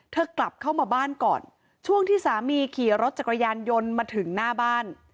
กลับเข้ามาบ้านก่อนช่วงที่สามีขี่รถจักรยานยนต์มาถึงหน้าบ้าน